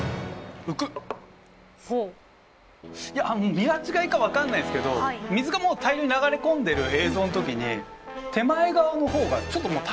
見間違いか分かんないんすけど水がもう大量に流れ込んでる映像の時に手前側の方がちょっと高かったように見えたんですよ。